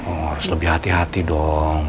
oh harus lebih hati hati dong